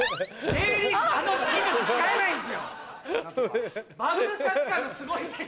Ｊリーグで使えないんですよ！